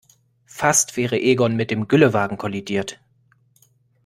Fast wäre Egon mit dem Güllewagen kollidiert.